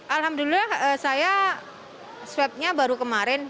alhamdulillah saya swabnya baru kemarin